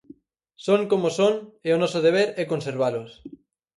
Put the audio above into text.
Son como son e o noso deber é conservalos.